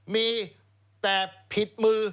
มีแต่ผิดมือ